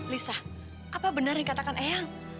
lisa apa benar yang katakan yang